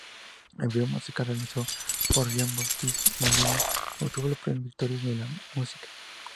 El video musical, realizado por Jean-Baptiste Mondino, obtuvo el premio Victoires de la musique.